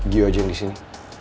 gio aja yang disini